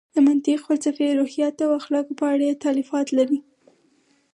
د منطق، فلسفې، روحیاتو او اخلاقو په اړه یې تالیفات لري.